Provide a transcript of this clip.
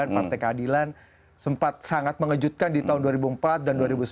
partai keadilan sempat sangat mengejutkan di tahun dua ribu empat dan dua ribu sembilan